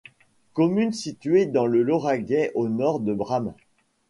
Commune située dans le Lauragais au nord de Bram.